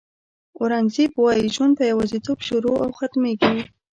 اورنګزېب وایي ژوند په یوازېتوب شروع او ختمېږي.